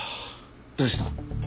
どうした？